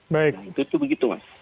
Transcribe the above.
nah itu begitu mas